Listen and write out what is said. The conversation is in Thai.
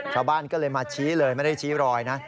ชาวบ้านก็เลยมาชี้เลยไม่ได้ชี้รอยนะ